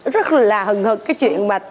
rất là hừng hợp cái chuyện